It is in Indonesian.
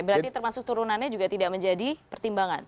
berarti termasuk turunannya juga tidak menjadi pertimbangan